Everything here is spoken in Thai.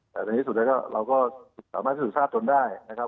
แต่ในที่สุดเราก็สามารถที่จะสู่ทราบจนได้นะครับ